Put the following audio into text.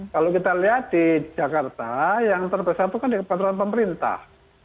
kalau kita lihat di jakarta yang terbesar itu kan di peraturan pemerintah